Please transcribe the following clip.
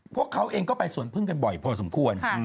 พวกเขาเองก็ไปสวนพึ่งกันบ่อยพอสมควร